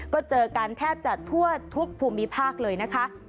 ก็เจอกันแทบจะทั่วทุกภูมิภาคเลยนะคะ